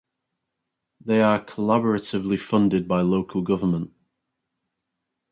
They are collaboratively funded by local government.